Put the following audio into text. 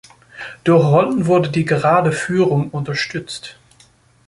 Durch Rollen wurde die gerade Führung unterstützt.